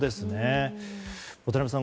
渡辺さん